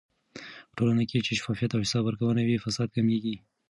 په ټولنه کې چې شفافيت او حساب ورکونه وي، فساد کمېږي.